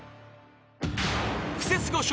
［クセスゴ笑